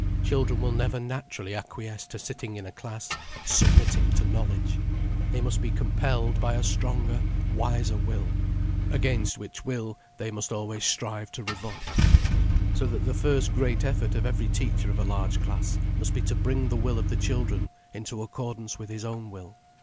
Children will never naturally acquiesce to sitting in a class and submitting to knowledge. They must be compelled by a stronger, wiser will. Against which will they must always strive to revolt. So that the first great effort of every teacher of a large class must be to bring the will of the children into accordance with his own will.